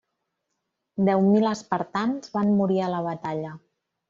Deu mil espartans van morir a la batalla.